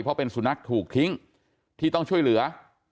เพราะเป็นสุนัขถูกทิ้งที่ต้องช่วยเหลือ